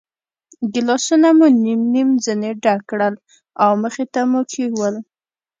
ګیلاسونه مو نیم نیم ځنې ډک کړل او مخې ته مو کېښوول.